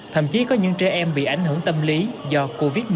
thậm chí có những trẻ em bị ảnh hưởng tâm lý do covid một mươi chín